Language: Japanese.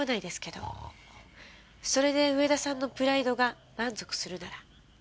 それで上田さんのプライドが満足するなら。